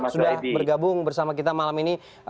sudah bergabung bersama kita malam ini